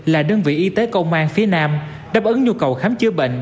là đơn vị y tế công an phía nam đáp ứng nhu cầu khám chữa bệnh